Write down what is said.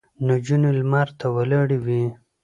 نجونې لمر ته ولاړې وې.